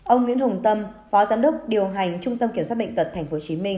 ông nguyễn hùng tâm phó giám đốc điều hành trung tâm kiểm soát bệnh tật tp hcm